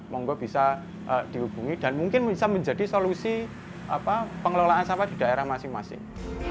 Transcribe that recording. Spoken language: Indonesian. monggo bisa dihubungi dan mungkin bisa menjadi solusi pengelolaan sampah di daerah masing masing